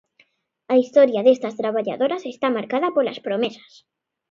A historia destas traballadoras está marcada polas promesas.